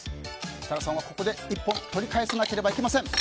設楽さんはここで１本取り返さなければいけません。